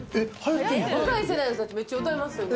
若い世代の人めっちゃ歌いますよ。